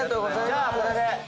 じゃあこれで。